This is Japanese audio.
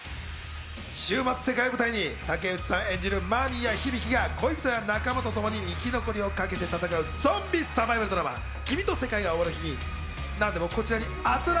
終末世界を舞台に竹内さん演じる、間宮響が恋人や仲間とともに生き残りをかけて戦うゾンビサバイバルドラマ『君と世界が終わる日に』。